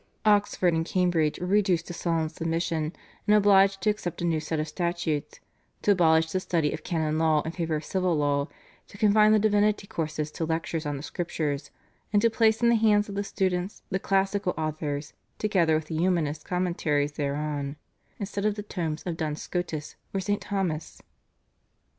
Oxford and Cambridge were reduced to sullen submission, and obliged to accept a new set of statutes, to abolish the study of canon law in favour of civil law, to confine the divinity courses to lectures on the Scriptures, and to place in the hands of the students the classical authors together with the Humanist commentaries thereon, instead of the tomes of Duns Scotus or St. Thomas.